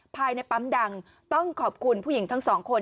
ภายในปั๊มดังต้องขอบคุณผู้หญิงทั้งสองคน